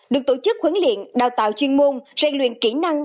được tổ chức khuyến liện đào tạo chuyên môn rèn luyện kỹ năng